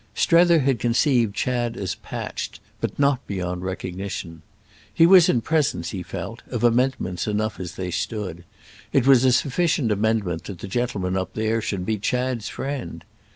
Strether had conceived Chad as patched, but not beyond recognition. He was in presence, he felt, of amendments enough as they stood; it was a sufficient amendment that the gentleman up there should be Chad's friend.